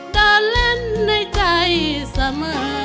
เดินเล่นในใจเสมอ